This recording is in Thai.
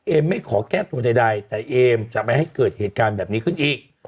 ไม่ขอแก้ตัวใดแต่เอมจะไม่ให้เกิดเหตุการณ์แบบนี้ขึ้นอีก